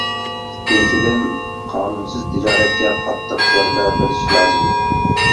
ئىككىنچىدىن، قانۇنسىز تىجارەتكە قاتتىق زەربە بېرىش لازىم.